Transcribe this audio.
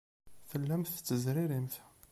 Tellamt tettezririmt.